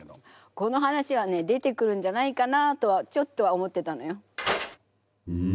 この話はね出てくるんじゃないかなとはちょっとは思ってたのよ。